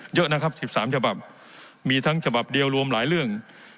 เยอะนะครับ๑๓ฉบับมีทั้งฉบับเดียวรวมหลายเรื่อง